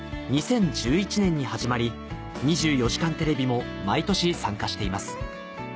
２０１１年に始まり『２４時間テレビ』も毎年参加しています